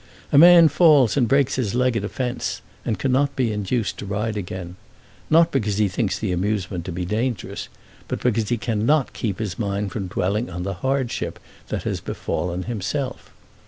A man falls and breaks his leg at a fence, and cannot be induced to ride again, not because he thinks the amusement to be dangerous, but because he cannot keep his mind from dwelling on the hardship that has befallen himself.